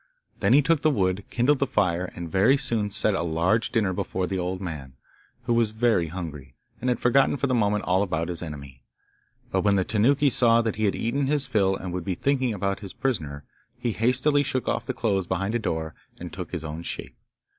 Then he took the wood, kindled the fire, and very soon set a large dinner before the old man, who was very hungry, and had forgotten for the moment all about his enemy. But when the Tanuki saw that he had eaten his fill and would be thinking about his prisoner, he hastily shook off the clothes behind a door and took his own shape.